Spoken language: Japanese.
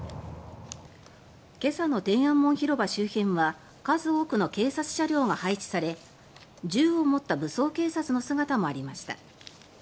今朝の天安門広場周辺は数多くの警察車両が配置され銃を持った武装警察の姿もありました。